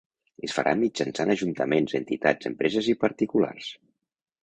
Es farà mitjançant ajuntaments, entitats, empreses i particulars.